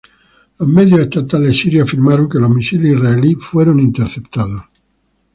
Los medios estatales sirios afirmaron que los misiles israelíes fueron interceptados.